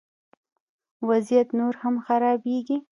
وضعیت نور هم خرابیږي